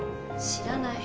知らない。